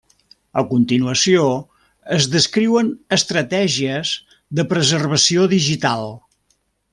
A continuació es descriuen estratègies de preservació digital.